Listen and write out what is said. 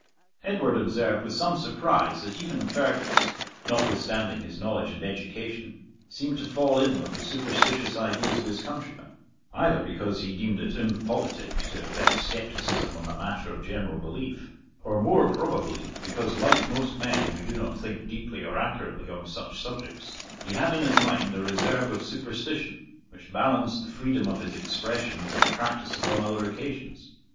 ] Edward observed with some surprise that even Fergus, notwithstanding his knowledge and education, seemed to fall in with the superstitious ideas of his countrymen, either because he deemed it impolitic to affect scepticism on a matter of general belief, or more probably because, like most men who do not think deeply or accurately on such subjects, he had in his mind a reserve of superstition which balanced the freedom of his expressions and practice upon other occasions.